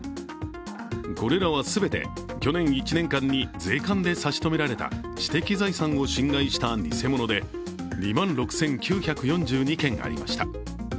これらは全て、去年１年間に税関で差し止められた知的財産を侵害した偽物で２万６９４２件ありました。